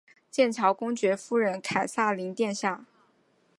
剑桥公爵夫人凯萨琳殿下。